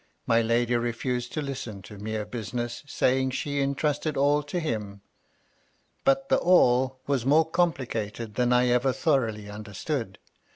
My lady refused to listen to mere business, saying she intrusted all to him. But the " all " was more complicated than I MY LADY LUDLOW. 269 ever thoroughly understood.